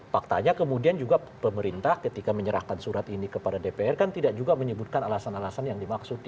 faktanya kemudian juga pemerintah ketika menyerahkan surat ini kepada dpr kan tidak juga menyebutkan alasan alasan yang dimaksud